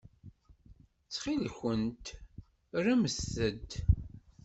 Ttxil-kent rremt-d.